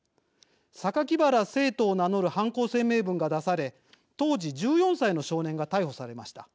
「酒鬼薔薇聖斗」を名乗る犯行声明文が出され当時１４歳の少年が逮捕されました。